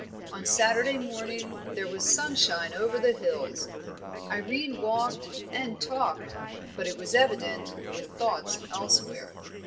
On Saturday morning there was sunshine over the hills. Irene walked, and talked, but it was evident with thoughts elsewhere.